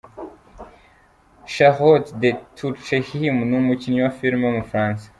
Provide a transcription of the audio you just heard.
Charlotte de Turckheim ni umukinnyi wa Filime w’umufaransa.